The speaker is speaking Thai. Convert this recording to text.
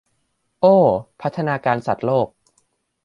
โอ้ พัฒนาการสัตว์โลก